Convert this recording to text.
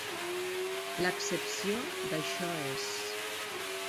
L'excepció d'això és.